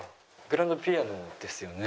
グランドピアノですよね。